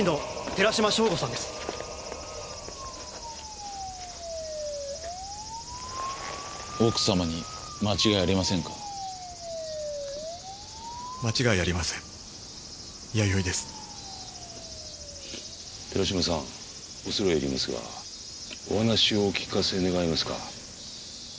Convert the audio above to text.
寺島さん恐れ入りますがお話をお聞かせ願えますか？